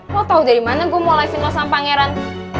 lo tau dari mana gue mau liatin lo sama pangeran